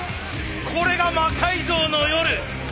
これが「魔改造の夜」。